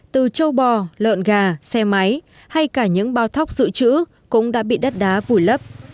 từ châu bò lợn gà xe máy hay cả những bao thóc dự trữ cũng đã bị đất đá vùi lấp